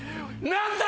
何だ⁉